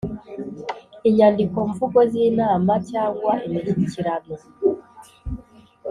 inyandiko mvugo z inama cyangwa imishyikirano